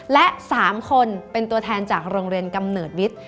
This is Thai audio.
และ๓คนเป็นตัวแทนจากโรงเรียนกำเนิดวิทย์